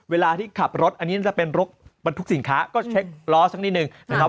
เวลาที่ขับรถอันนี้จะเป็นรถบรรทุกสินค้าก็เช็คล้อสักนิดนึงนะครับ